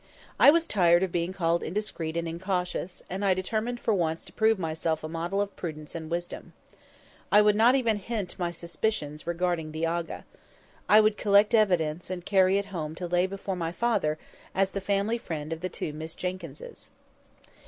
I was tired of being called indiscreet and incautious; and I determined for once to prove myself a model of prudence and wisdom. I would not even hint my suspicions respecting the Aga. I would collect evidence and carry it home to lay before my father, as the family friend of the two Miss Jenkynses.